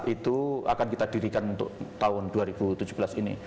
itu akan kita dirikan untuk tahun dua ribu tujuh belas ini